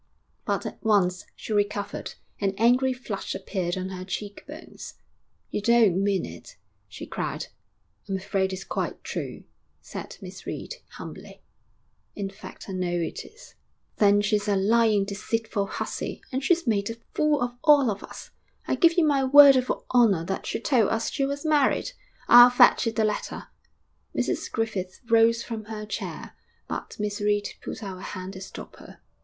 But at once she recovered, an angry flush appeared on her cheek bones. 'You don't mean it?' she cried. 'I'm afraid it's quite true,' said Miss Reed, humbly. 'In fact I know it is.' 'Then she's a lying, deceitful hussy, and she's made a fool of all of us. I give you my word of honour that she told us she was married; I'll fetch you the letter.' Mrs Griffith rose from her chair, but Miss Reed put out a hand to stop her.